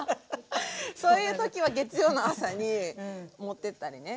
そういう時は月曜の朝に持ってったりね。